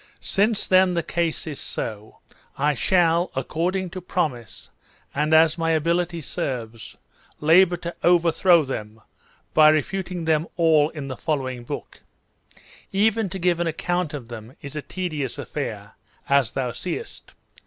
Since then the case is so, I shall, according to promise, and as my ability serves, labour to overthrow them, by refuting them all in the Book l] IPcEN^^US AGAINST HERESIES. 115 following book. Even to give an account of tliem is a tedious affair, as thou seest.